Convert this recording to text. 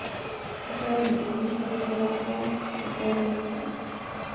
زه او نعماني صاحب سره خوا په خوا ناست وو.